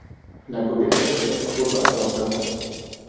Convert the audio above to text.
La cubierta es de teja curva a dos aguas.